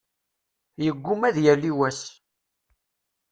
Yeggumma ad yali wass.